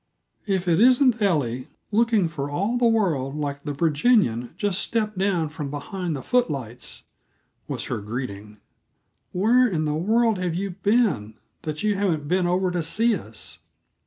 "If it isn't Ellie, looking for all the world like the Virginian just stepped down from behind the footlights!" was her greeting. "Where in the world have you been, that you haven't been over to see us?"